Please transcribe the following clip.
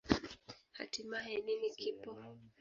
Hatimaye, nini kipo?